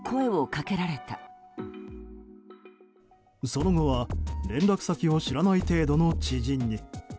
その後は連絡先を知らない程度の知人に。